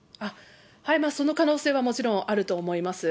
その可能性はもちろんあると思います。